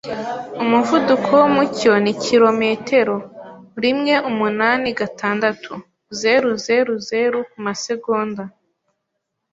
Umuvuduko wumucyo ni kilometero rimweumunanigatandatu.zeruzeruzeru kumasegonda.